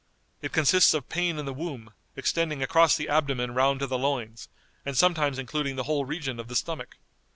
It consists of pain in the womb, extending across the abdomen round to the loins, and sometimes including the whole region of the stomach.